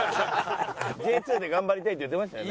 Ｊ２で頑張りたいって言ってましたよね？